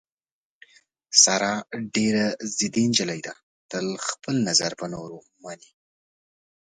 ساره ډېره ضدي نجیلۍ ده، تل خپل نظر په نورو مني.